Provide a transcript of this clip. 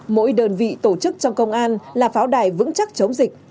mỗi đơn vị tổ chức trong công an là pháo đài vững chắc chống dịch